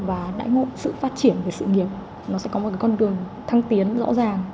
và đãi ngộ sự phát triển về sự nghiệp nó sẽ có một con đường thăng tiến rõ ràng